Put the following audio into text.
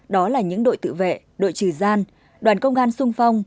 đó là những đội tự vệ đội trừ gian đoàn công an sung phong